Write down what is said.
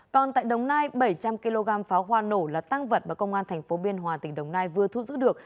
còn tại đồng nai bảy trăm linh kg pháo hoa nổ là tăng vật mà công an tp biên hòa tỉnh đồng nai vừa thu giữ được